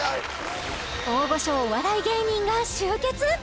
大御所お笑い芸人が集結